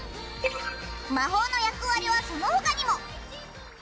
魔法の役割はその他にも！